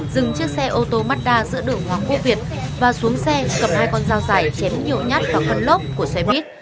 dừng chiếc xe ô tô mazda giữa đường hoàng quốc việt và xuống xe cầm hai con dao dài chém nhiều nhát vào phần lốp của xe buýt